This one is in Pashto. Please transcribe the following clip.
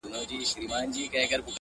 نفیب ټول ژوند د غُلامانو په رکم نیسې.